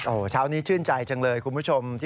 โอ้โหเช้านี้ชื่นใจจังเลยคุณผู้ชม